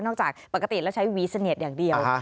จากปกติแล้วใช้วีซาเน็ตอย่างเดียว